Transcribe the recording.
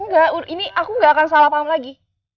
enggak ini aku nggak akan salah paham lagi